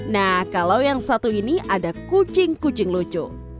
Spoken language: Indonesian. nah kalau yang satu ini ada kucing kucing lucu